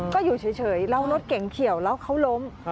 ก็อยู่เฉยแล้วรถเก่งเฉียวแล้วเขาล้ม